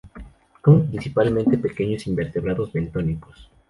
Come principalmente pequeños invertebrados bentónicos.